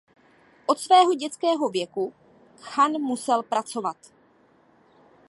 Od svého dětského věku Khan musel pracovat.